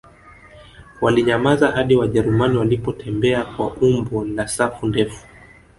Walinyamaza hadi Wajerumani walipotembea kwa umbo la safu ndefu